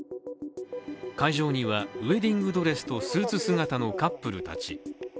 会場には、ウエディングドレスとスーツ姿のカップルたち。